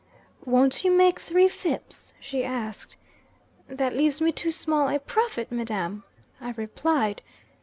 'Won't you take three fips?' she asked. 'That leaves me too small a profit, madam,' I replied.